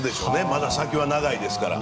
まだ先は長いですから。